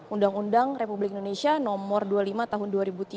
undang undang republik indonesia nomor dua puluh lima tahun dua ribu tiga